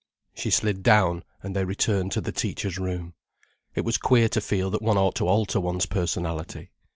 She slid down, and they returned to the teacher's room. It was queer to feel that one ought to alter one's personality.